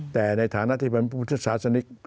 แต่ในฐานะที่เป็นพุทธศาสนิก